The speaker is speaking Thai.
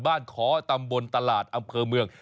ขอตำบลตลาดอำเภอเมือง